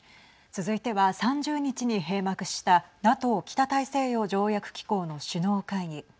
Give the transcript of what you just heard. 続いては３０日に閉幕したＮＡＴＯ＝北大西洋条約機構の首脳会議。